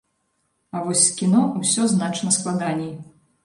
А вось з кіно ўсё значна складаней.